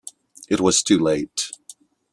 It was too late.